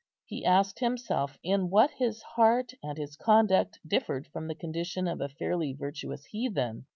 He asked himself in what his heart and his conduct differed from the condition of a fairly virtuous heathen.